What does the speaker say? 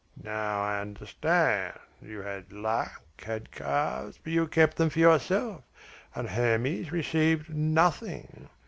"Now I understand. You had luck, had calves, but you kept them for yourself, and Hermes received nothing."